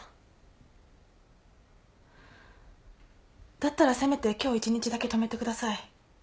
だったらせめて今日１日だけ泊めてください。